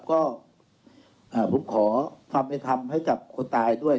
ก็ผมขอความเป็นธรรมให้กับคนตายด้วย